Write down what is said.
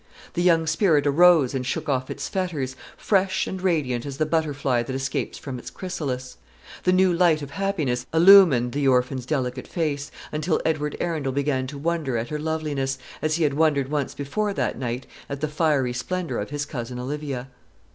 The young spirit arose and shook off its fetters, fresh and radiant as the butterfly that escapes from its chrysalis. The new light of happiness illumined the orphan's delicate face, until Edward Arundel began to wonder at her loveliness, as he had wondered once before that night at the fiery splendour of his cousin Olivia.